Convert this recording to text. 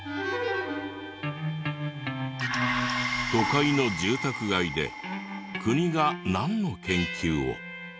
都会の住宅街で国がなんの研究を？